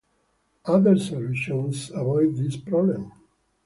Other solutions avoid this problem.